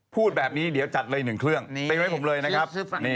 พูดแบบนี้เดี๋ยวจัดเลย๑เครื่องเต็มให้ผมเลยนะครับ